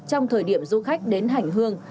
trong thời điểm du khách đến hành hương